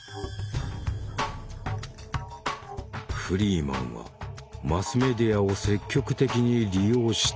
フリーマンはマスメディアを積極的に利用した。